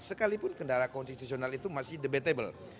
sekalipun kendala konstitusional itu masih debatable